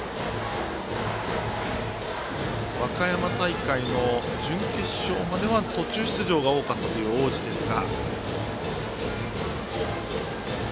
和歌山大会の準決勝までは途中出場が多かったという大路ですが。